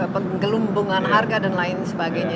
penggelumbungan harga dan lain sebagainya